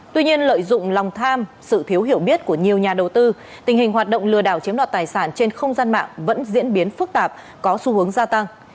tuy nhiên lợi dụng lòng tham sự thiếu hiểu biết của nhiều nhà đầu tư tình hình hoạt động lừa đảo chiếm đoạt tài sản trên không gian mạng vẫn diễn biến phức tạp có xu hướng gia tăng